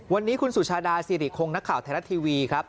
วันนี้คุณสุชาดาซีริคโครงนักข่าวแถวท์ทีวีครับ